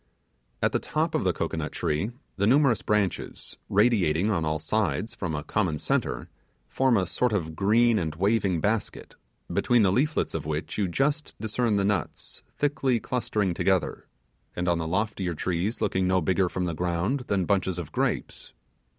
At the top of the cocoanut tree the numerous branches, radiating on all sides from a common centre, form a sort of green and waving basket, between the leaflets of which you just discern the nuts thickly clustering together, and on the loftier trees looking no bigger from the ground than bunches of grapes.